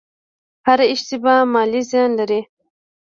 هره اشتباه مالي زیان لري.